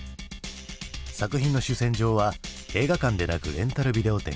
作品の主戦場は映画館でなくレンタルビデオ店。